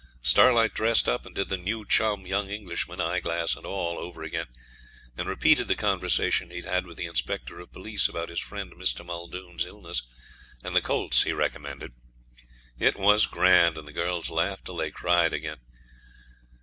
Starlight dressed up, and did the new chum young Englishman, eyeglass and all, over again, and repeated the conversation he had with the Inspector of Police about his friend Mr. Muldoon's illness, and the colts he recommended. It was grand, and the girls laughed till they cried again.